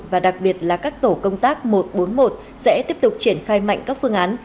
và đặc biệt là các tổ công tác một trăm bốn mươi một sẽ tiếp tục triển khai mạnh các phương án